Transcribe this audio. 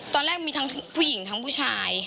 ตอนแรกมีทั้งผู้หญิงทั้งผู้ชาย